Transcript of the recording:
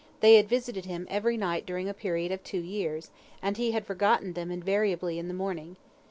They had visited him every night during a period of two years, and he had forgotten them invariably in the morning.